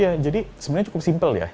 ya jadi sebenarnya cukup simpel ya